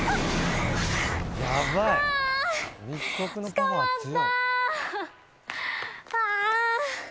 捕まった。